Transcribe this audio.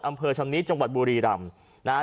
อำเภอชำนิจังหวัดบุรีรำนะฮะ